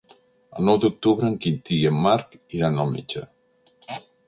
El nou d'octubre en Quintí i en Marc iran al metge.